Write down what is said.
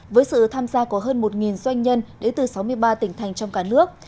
với sự tham gia của hơn một doanh nhân đến từ sáu mươi ba tỉnh thành trong cả nước